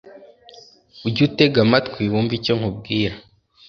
Ujyutega amatwi wumve icyonkubwira